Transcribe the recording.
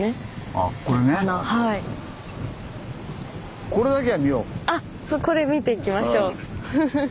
あっこれ見ていきましょう。